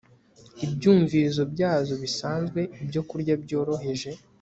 ibyumvirizo byazo bisanzwe Ibyokurya byoroheje